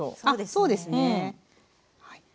あっそうですね。